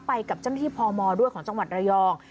ไปกับเจ้าหน้าที่พมด้วยของจังหวัดระยอง